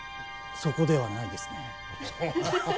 そこではないですね。